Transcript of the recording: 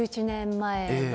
１１年前。